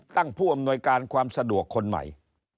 ผู้อำนวยการความสะดวกคนใหม่